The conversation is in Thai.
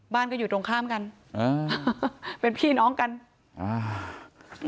บ้านก็อยู่ตรงข้ามกันอ่าเป็นพี่น้องกันอ่า